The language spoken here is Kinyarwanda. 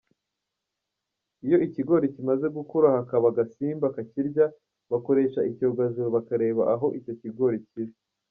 Iyo ikigori kimaze gukura hakaba agasimba kakirya bakoresha icyogajuru bakareba aho icyo kigori kiri.